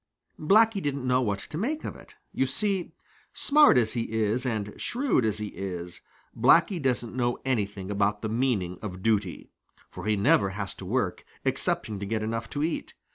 Blacky didn't know what to make of it. You see, smart as he is and shrewd as he is, Blacky doesn't know anything about the meaning of duty, for he never has to work excepting to get enough to eat.